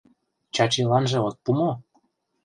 — Чачиланже от пу мо?